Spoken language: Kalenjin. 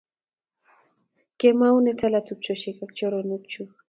Kemou ne tala tupchosiek ak choronokchu